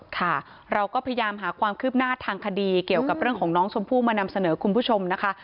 ค่ะเราก็พยายามหาความคืบหน้าทางคดีเกี่ยวกับเรื่องของน้องชมพู่มานำเสนอคุณผู้ชมนะคะ